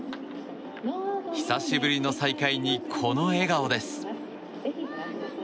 久しぶりの再会にこの笑顔です。